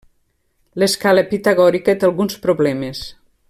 L'escala pitagòrica té alguns problemes.